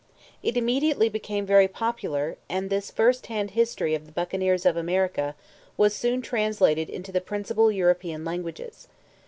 It immediately became very popular and this first hand history of the Buccaneers of America was soon translated into the principal European languages.